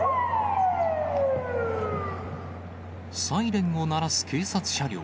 サイレンを鳴らす警察車両。